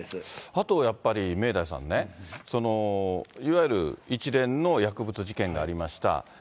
あとやっぱり、明大さんね、いわゆる一連の薬物事件がありました。